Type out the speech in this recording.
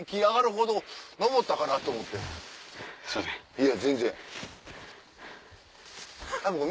いや全然。